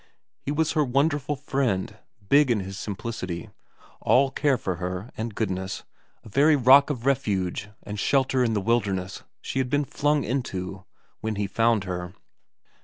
He was her wonderful friend, big in his simplicity, all care for her and goodness, a very rock of refuge and shelter in the wilderness she had been flung into when he found her.